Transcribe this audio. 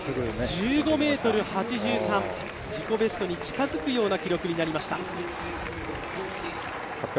１５ｍ８３、自己ベストに近づく記録になりました。